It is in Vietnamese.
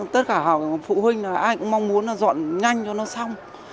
tất cả phụ huynh ai cũng mong muốn dọn nhanh cho nó xong